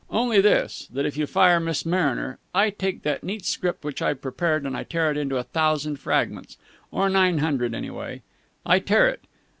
"Only this, that if you fire Miss Mariner, I take that neat script which I've prepared and I tear it into a thousand fragments. Or nine hundred. Anyway, I tear it.